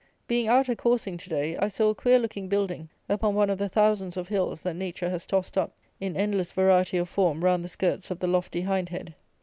Being out a coursing to day, I saw a queer looking building upon one of the thousands of hills that nature has tossed up in endless variety of form round the skirts of the lofty Hindhead.